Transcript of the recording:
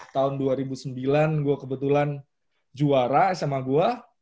tahun dua ribu sembilan gue kebetulan juara sama gue